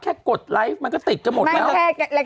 แค่กดไล็ฟ์มันก็ติดจะหมดแล้ว